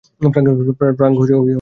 Frank আবার কোথায় গেলো?